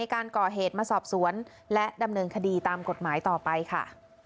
การก่อเหตุมาสอบสวนและดำเนินคดีตามกฎหมายต่อไปค่ะ